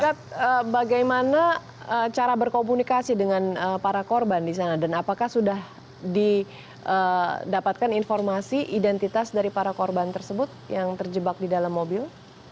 gap bagaimana cara berkomunikasi dengan para korban di sana dan apakah sudah didapatkan informasi identitas dari para korban tersebut yang terjebak di dalam mobil